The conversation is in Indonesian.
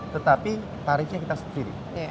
tetapi tarifnya kita sendiri